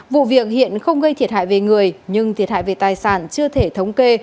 vụ việc hiện không gây thiệt hại về người nhưng thiệt hại về tài sản chưa thể thống kê